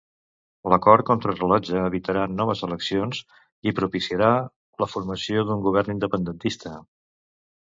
L'acord contra rellotge evitarà noves eleccions i propiciarà la formació d'un govern independentista.